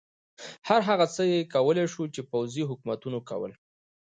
هر هغه څه یې کولای شول چې پوځي حکومتونو کول.